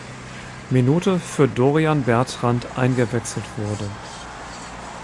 Minute für Dorian Bertrand eingewechselt wurde.